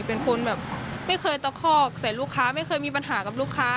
เป็นคนแบบไม่เคยตะคอกใส่ลูกค้าไม่เคยมีปัญหากับลูกค้า